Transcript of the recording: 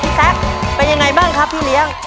พี่แซคเป็นอย่างไรบ้างครับพี่เลี้ยง